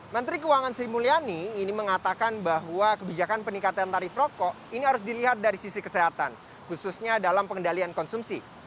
menteri keuangan sri mulyani ini mengatakan bahwa kebijakan peningkatan tarif rokok ini harus dilihat dari sisi kesehatan khususnya dalam pengendalian konsumsi